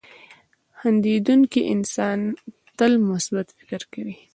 • خندېدونکی انسان تل مثبت فکر کوي.